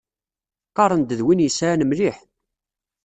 Qqaren-d d win yesɛan mliḥ.